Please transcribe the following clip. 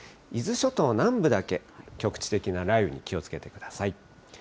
伊豆諸島南部だけ、局地的な雷雨に気をつけてください。